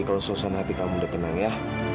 kalau suasana hati kamu udah tenang ya